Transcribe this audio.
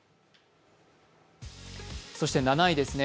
そして７位ですね。